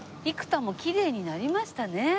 生田もきれいになりましたね。